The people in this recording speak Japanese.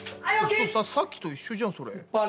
さっきと一緒じゃんそれ。